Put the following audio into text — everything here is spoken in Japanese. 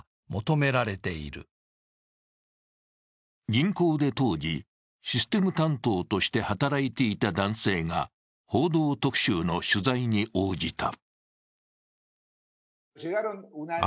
銀行で当時、システム担当として働いていた男性が「報道特集」の取材に応じた。